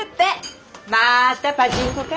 またパチンコか。